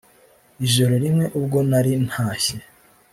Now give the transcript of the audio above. Ijoro rimwe ubwo nari ntashye